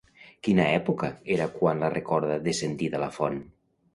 Quina època era quan la recorda descendir de la font?